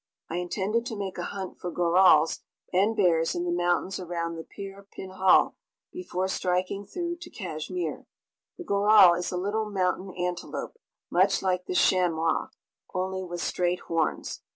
I intended to make a hunt for gorals and bears in the mountains around the Pir Pinjal before striking through to Cashmere. The goral is a little mountain antelope, much like the chamois, only with straight horns.